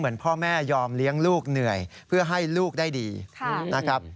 พ่อแม่ยอมเลี้ยงลูกเหนื่อยเพื่อให้ลูกได้ดีนะครับ